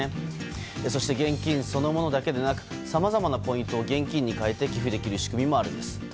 そして現金そのものだけでなくさまざまなポイントを現金に換えて寄付できる仕組みもあるんです。